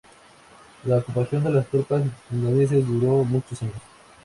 La ocupación de las tropas indonesias duró muchos años.